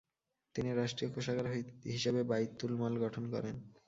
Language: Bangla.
তিনি রাষ্ট্রীয় কোষাগার হিসেবে বাইতুল মাল গঠন করেন।